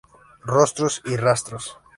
Rostros y Rastros.